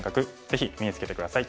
ぜひ身につけて下さい。